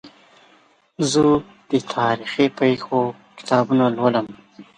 زه د تاریخي پېښو کتابونه لولم.